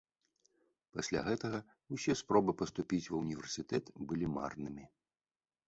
Пасля гэтага ўсе спробы паступіць ва ўніверсітэт былі марнымі.